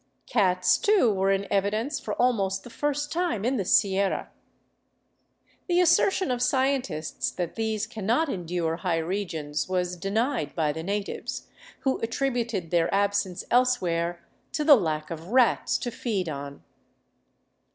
Cats, too, were in evidence for almost the first time in the Sierra. The assertion of scientists that these cannot endure high regions was denied by the natives, who attributed their absence elsewhere to the lack of rats to feed on.